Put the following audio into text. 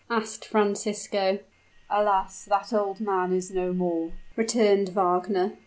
asked Francisco. "Alas! that old man is no more," returned Wagner.